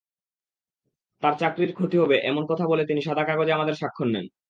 তাঁর চাকরির ক্ষতি হবে—এমন কথা বলে তিনি সাদা কাগজে আমাদের স্বাক্ষর নেন।